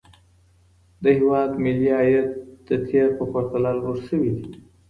د هيواد ملي عايد د تېر په پرتله لوړ سوى دى.